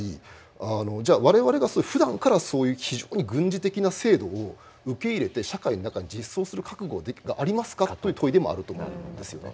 あのじゃあ我々がふだんからそういう非常に軍事的な制度を受け入れて社会の中に実装する覚悟がありますかという問いでもあると思うんですよね。